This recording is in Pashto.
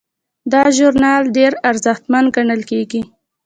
دا ژورنال ډیر ارزښتمن ګڼل کیږي.